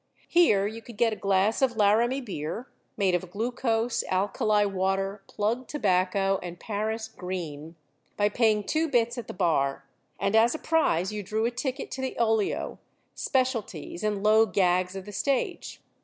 Here you could get a glass of Laramie beer, made of glucose, alkali water, plug tobacco, and Paris green, by paying two bits at the bar, and, as a prize, you drew a ticket to the olio, specialties, and low gags of the stage.